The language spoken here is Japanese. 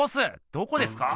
どこですか？